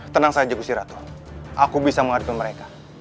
tenang saja gusti ratu aku bisa menghadapi mereka